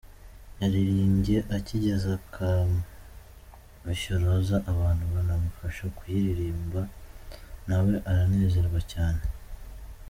Yaririmbye ‘Akagezi ka Mushyoroza’ abantu banamufasha kuyiririmba nawe aranezerwa cyane.